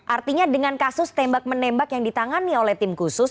artinya dengan kasus tembak menembak yang ditangani oleh tim khusus